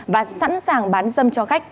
và sẵn sàng bán dâm cho khách